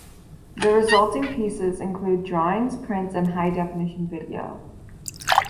The resulting pieces include drawings, prints, and high-definition video.